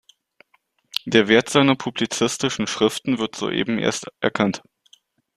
Der Wert seiner publizistischen Schriften wird soeben erst erkannt.